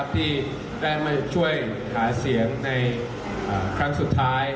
ที่ได้มาช่วยหาเสียงในครั้งสุดท้าย